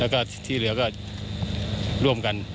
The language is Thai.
แล้วก็ที่เหลือก็ร่วมกัน